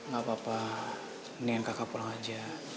gak apa apa mendingan kakak pulang aja